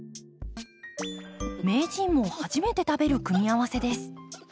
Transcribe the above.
名人も初めて食べる組み合わせです。